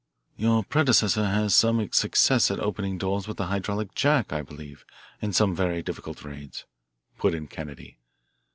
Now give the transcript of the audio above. "Your predecessor had some success at opening doors with a hydraulic jack, I believe, in some very difficult raids," put in Kennedy.